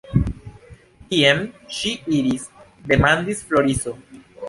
Kien ŝi iris? demandis Floriso.